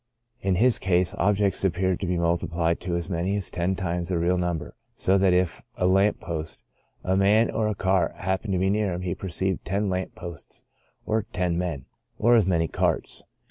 In his case objects appeared to be multiplied to as many as ten times their real number, so that if a lamp post, a man, or a cart, happened to be near him, he perceived ten lamp posts, or ten men, or as many carts.